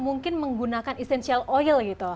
mungkin menggunakan essential oil